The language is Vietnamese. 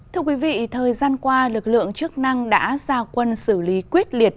thưa quý vị thời gian qua lực lượng chức năng đã ra quân xử lý quyết liệt